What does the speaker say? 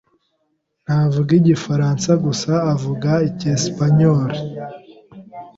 Ntavuga igifaransa gusa, avuga icyesipanyoli.